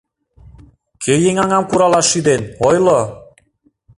Кӧ еҥ аҥам куралаш шӱден, ойло!